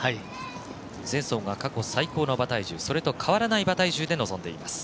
前走が過去最高の馬体重それと変わらない馬体重で臨んでいます。